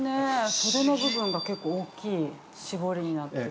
袖の部分が結構大きい絞りになってる。